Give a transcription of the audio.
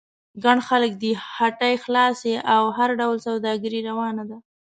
ګڼ خلک دي، هټۍ خلاصې او هر ډول سوداګري روانه ده.